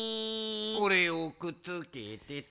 これをくっつけてと。